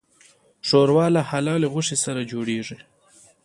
ښوروا له حلالې غوښې سره جوړیږي.